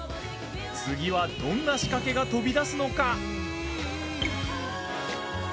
次は、どんな仕掛けが飛び出すのか。